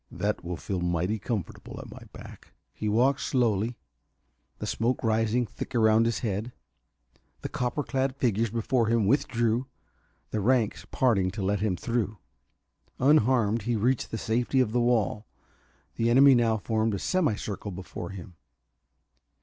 That will feel mighty comfortable at my back." He walked slowly, the smoke rising thick about his head. The copper clad figures before him withdrew, the ranks parting to let him through. Unharmed he reached the safety of the wall. The enemy now formed a semi circle before him.